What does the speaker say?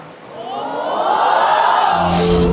จากเรื่องไส้กรอกทอดครับ